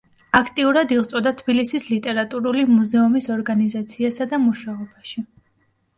აქტიურად იღვწოდა თბილისის ლიტერატურული მუზეუმის ორგანიზაციასა და მუშაობაში.